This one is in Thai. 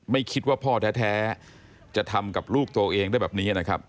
ไม่คิดว่าพ่อแท้จะทำกับลูกตัวเองได้แบบนี้นะครับ